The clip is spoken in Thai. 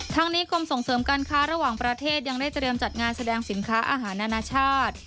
ทั้งนี้กรมส่งเสริมการค้าระหว่างประเทศยังได้เตรียมจัดงานแสดงสินค้าอาหารนานาชาติ